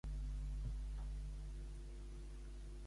Els caçadors reclamen que es valori més la seva tasca.